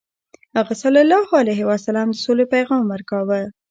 هغه ﷺ د سولې پیغام ورکاوه.